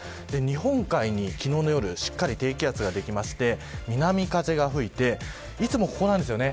日本海に昨日の夜しっかり低気圧ができまして南風が吹いていつも、ここなんですよね。